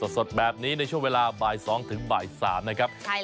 สดแบบนี้ในช่วงเวลาบ่ายสองถึงบ่ายสามนะครับใช่แล้วค่ะ